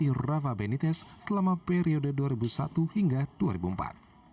dan pelatih rafa benitez selama periode dua ribu satu hingga dua ribu empat